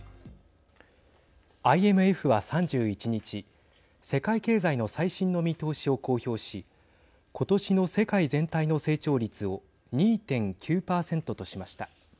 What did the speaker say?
ＩＭＦは３１日世界経済の最新の見通しを公表し今年の世界全体の成長率を２．９％としました。